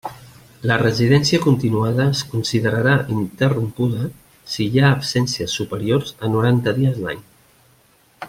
La residència continuada es considerarà interrompuda si hi ha absències superiors a noranta dies l'any.